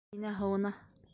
Мәҙинә һыуына